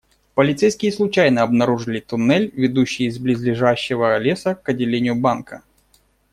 Полицейские случайно обнаружили туннель, ведущий из близлежащего леса к отделению банка.